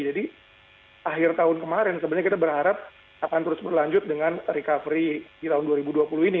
jadi akhir tahun kemarin sebenarnya kita berharap akan terus berlanjut dengan recovery di tahun dua ribu dua puluh ini